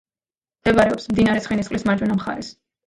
მდებარეობს მდინარე ცხენისწყლის მარჯვენა მხარეს.